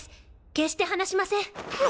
決して話しません。